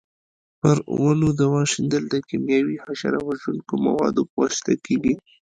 پر ونو دوا شیندل د کېمیاوي حشره وژونکو موادو په واسطه کېږي.